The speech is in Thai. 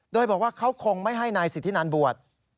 โดยบอกว่าเขาคงไม่ให้นายสิทธินันบวช